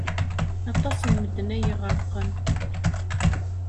Aṭas n medden ay iɣerqen.